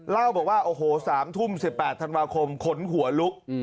เล่าบอกว่าโอ้โห๓ทุ่ม๑๘ธันวาคมขนหัวลุก